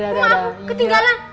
aku mau aku ketinggalan